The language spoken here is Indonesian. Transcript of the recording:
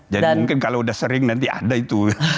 jadi mungkin kalau sudah sering nanti ada itu